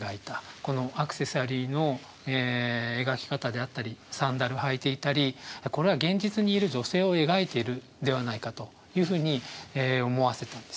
このアクセサリーの描き方であったりサンダル履いていたりこれは現実にいる女性を描いているのではないかというふうに思わせたんですね。